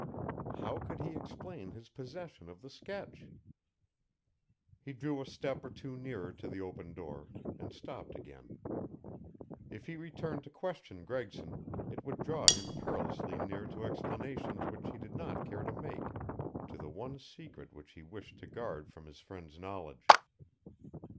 How could he explain his possession of the sketch? He drew a step or two nearer to the open door, and stopped again. If he returned to question Gregson it would draw him perilously near to explanations which he did not care to make, to the one secret which he wished to guard from his friend's knowledge.